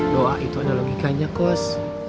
doa itu ada logikanya coach